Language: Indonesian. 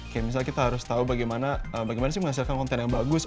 kayak misalnya kita harus tahu bagaimana sih menghasilkan konten yang bagus